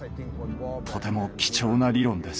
とても貴重な理論です。